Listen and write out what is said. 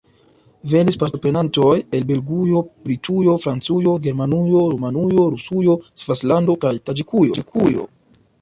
Venis partoprenantoj el Belgujo, Britujo, Francujo, Germanujo, Rumanujo, Rusujo, Svislando kaj Taĝikujo.